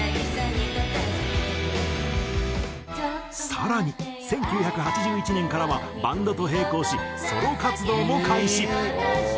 更に１９８１年からはバンドと並行しソロ活動も開始。